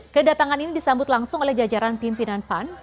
kedatangan ini disambut langsung oleh jajaran pimpinan pan